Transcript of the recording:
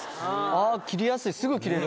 あぁ切りやすいすぐ切れる。